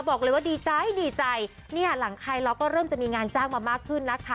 บอกเลยว่าดีใจดีใจเนี่ยหลังใครเราก็เริ่มจะมีงานจ้างมามากขึ้นนะคะ